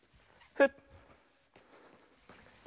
フッ。